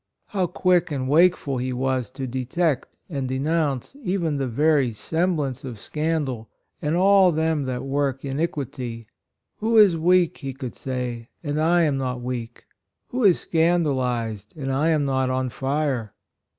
— How quick and wakeful he was to detect and denounce even the very semblance of scandal and all them that work iniquity. "Who is weak, he could say, and I am not weak ? Who is scandalized and I am not on fire."